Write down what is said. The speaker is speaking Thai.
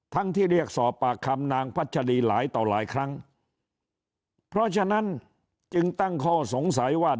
ที่เรียกสอบปากคำนางพัชรีหลายต่อหลายครั้งเพราะฉะนั้นจึงตั้งข้อสงสัยว่า